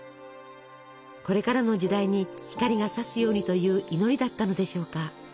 これからの時代に光がさすようにという祈りだったのでしょうか。